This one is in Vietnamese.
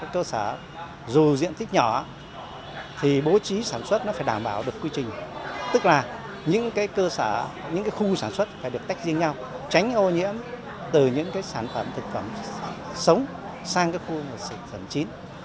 cơ sở sản xuất phải đảm bảo được quy trình tức là những khu sản xuất phải được tách riêng nhau tránh ô nhiễm từ những sản phẩm thực phẩm sống sang khu sản phẩm chín